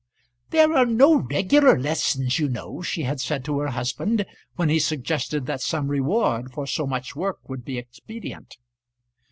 "There are no regular lessons you know," she had said to her husband, when he suggested that some reward for so much work would be expedient.